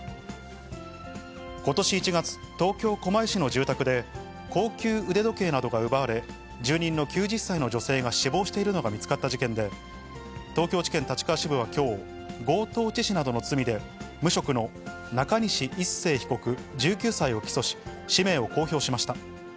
ことし１月、東京・狛江市の住宅で、高級腕時計などが奪われ、住人の９０歳の女性が死亡しているのが見つかった事件で、東京地検立川支部はきょう、強盗致死などの罪で無職の中西一晟被告１９歳を起訴し、氏名を公表しました。